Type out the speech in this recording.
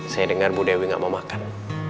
saya dengar bu dewi gak mau makan